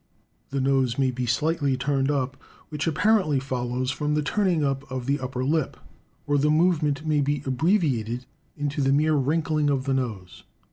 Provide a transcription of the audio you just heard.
The nose may be slightly turned up, which apparently follows from the turning up of the upper lip; or the movement may be abbreviated into the mere wrinkling of the nose.